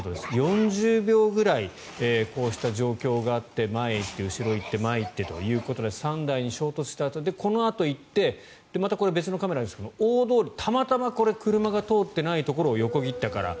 ４０秒ぐらいこうした状況があって前へ行って後ろ行って前へということで３台に衝突したあとで、このあと行ってまたこれ、別のカメラですが大通りたまたま車が通っていないところを横切ったから。